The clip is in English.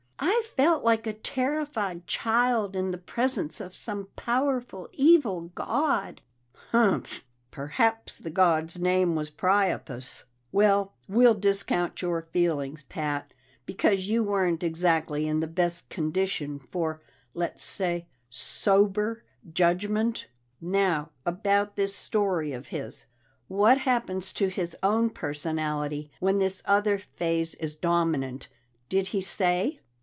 "I felt like a terrified child in the presence of some powerful, evil god." "Humph! Perhaps the god's name was Priapus. Well, we'll discount your feelings, Pat, because you weren't exactly in the best condition for let's say sober judgment. Now about this story of his. What happens to his own personality when this other phase is dominant? Did he say?"